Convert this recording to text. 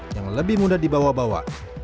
yang lebih mudah dibawa bawa